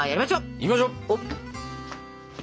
行きましょう！